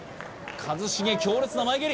一茂強烈な前蹴り！